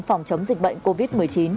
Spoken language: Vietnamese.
phòng chống dịch bệnh covid một mươi chín